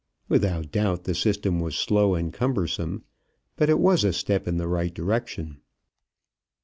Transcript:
Without doubt the system was slow and cumbersome, but it was a step in the right direction.